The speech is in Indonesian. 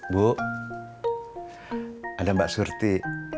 bu ada mbak surti